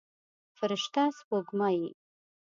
فرشته سپوږمۍ